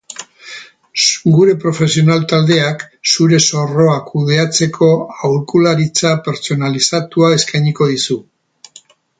Gure profesional-taldeak zure zorroa kudeatzeko aholkularitza pertsonalizatua eskainiko dizu.